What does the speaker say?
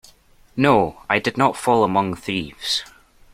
No, I did not fall among thieves.